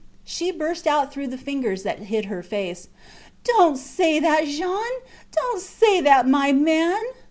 ... She burst out through the fingers that hid her face Dont say that, Jean; dont say that, my man!